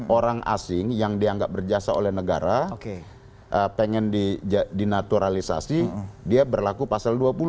orang asing yang dianggap berjasa oleh negara pengen dinaturalisasi dia berlaku pasal dua puluh